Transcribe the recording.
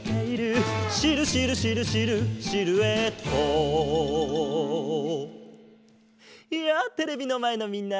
「シルシルシルシルシルエット」やあテレビのまえのみんな！